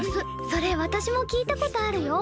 それ私も聞いたことあるよ。